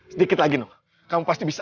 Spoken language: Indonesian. sedikit lagi kamu pasti bisa